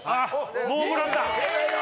もうもらった！